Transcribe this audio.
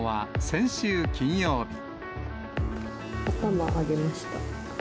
頭上げました。